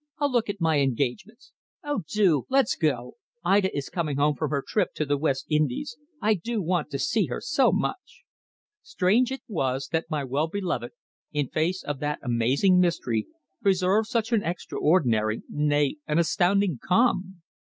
"I'll look at my engagements." "Oh, do let's go! Ida is coming home from her trip to the West Indies. I do want to see her so much." Strange it was that my well beloved, in face of that amazing mystery, preserved such an extraordinary, nay, an astounding, calm.